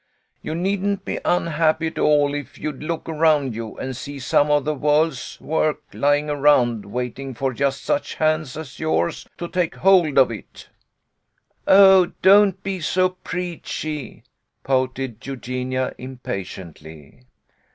You needn't be unhappy at all if you'd look around you and see some of the world's work lying around waiting for just such hands as yours to take hold of it." " Oh, don't be so preachy !" pouted Eugenia, impatiently.